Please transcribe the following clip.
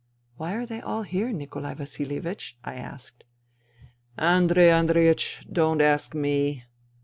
" Why are they all here, Nikolai Vasilievich ?" I asked. " Andrei Andreiech, don't ask me.